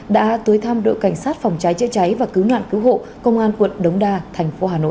đã tới thăm đội cảnh sát phòng cháy chữa cháy và cứu nạn cứu hộ công an quận đống đa thành phố hà nội